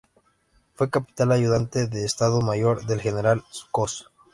Fue capitán ayudante de Estado Mayor del general Cos.